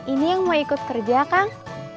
ini yang mau ikut kerja kang